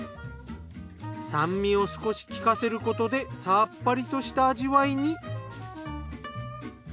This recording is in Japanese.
酸味を少し利かせることでさっぱりとした味わいに。